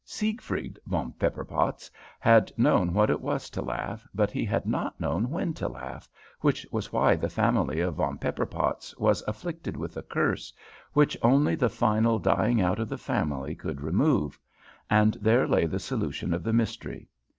Siegfried von Pepperpotz had known what it was to laugh, but he had not known when to laugh, which was why the family of Von Pepperpotz was afflicted with a curse, which only the final dying out of the family could remove, and there lay the solution of the mystery.